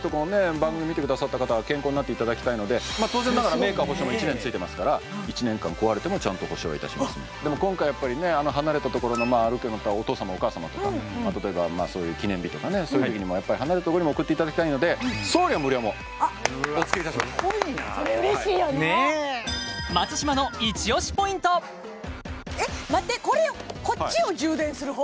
番組見てくださった方は健康になっていただきたいのでまあ当然ながらメーカー保証も１年ついてますから１年間壊れてもちゃんと保証はいたしますのででも今回やっぱりね離れた所のまあお父様お母様とか例えばそういう記念日とかねそういう時にも離れたとこにも送っていただきたいのでもおつけいたしますすごいなねえそれ嬉しいよねえっ待ってこれをこっちを充電する方？